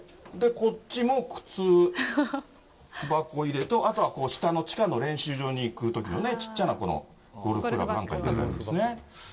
こっちも靴箱入れと、あとは下の地下の練習場に行くときのちっちゃなこのゴルフクラブなんかを入れるやつ。